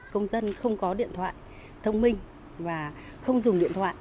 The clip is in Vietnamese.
công dân không có điện thoại thông minh và không dùng điện thoại